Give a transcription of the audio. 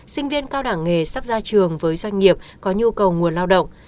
sinh viên cao đẳng nghề sắp ra trường với doanh nghiệp có nhu cầu nguồn lao động